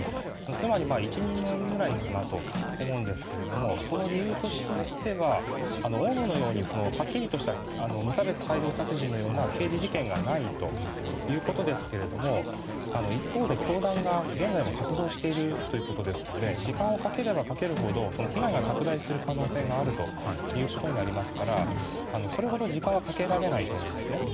つまり１２年ぐらいかなと思うんですけどその理由としてはオウムのようにはっきりとした無差別大量殺人のような刑事事件がないということですけど一方で教団が現在も活動しているということなので時間をかければかけるほど被害が拡大する可能性があるということになりますからそれほど時間はかけられないと思うんですね。